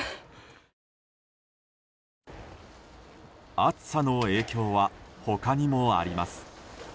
暑さの影響は他にもあります。